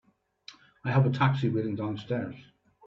I have a taxi waiting downstairs.